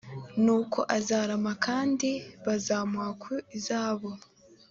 nuko azarama kandi bazamuha ku izahabu